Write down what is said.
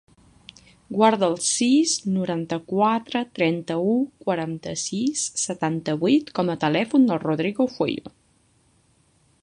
Guarda el sis, noranta-quatre, trenta-u, quaranta-sis, setanta-vuit com a telèfon del Rodrigo Fueyo.